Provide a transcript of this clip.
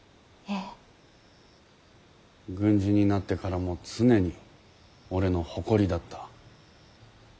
軍人になってからも常に俺の誇りだった。